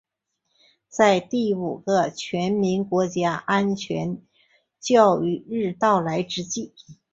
在第五个全民国家安全教育日到来之际